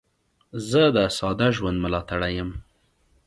زه د ساده ژوند ملاتړی یم.